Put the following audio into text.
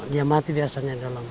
dia mati biasanya dalam